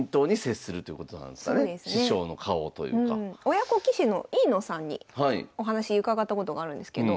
親子棋士の飯野さんにお話伺ったことがあるんですけど。